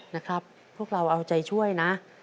นะครับพวกเราเอาใจช่วยนะ